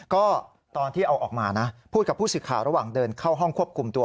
ก็ตอนที่เอาออกมานะพูดกับผู้สื่อข่าวระหว่างเดินเข้าห้องควบคุมตัว